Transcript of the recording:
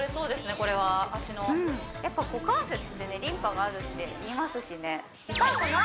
これは脚のやっぱ股関節ってねリンパがあるっていいますしねさあ